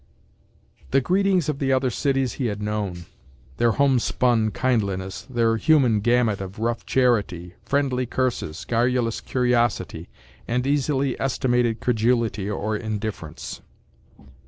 The greetings of the other cities he had known—their homespun kindliness, their human gamut of rough charity, friendly curses, garrulous curiosity and easily estimated credulity or indifference.